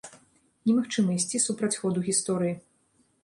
Немагчыма ісці супраць ходу гісторыі.